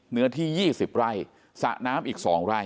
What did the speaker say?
เนื้อที่๒๐ไร่สระน้ำอีก๒ไร่